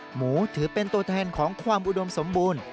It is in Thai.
หมูถือเป็นตัวแทนของความอุดมสมบูรณ์